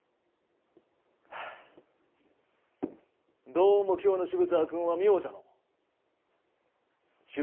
どうも今日の渋沢君は妙じゃのう。